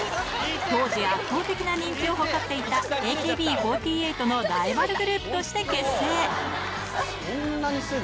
当時圧倒的な人気を誇っていたＡＫＢ４８のライバルグループとしそんなにすぐ？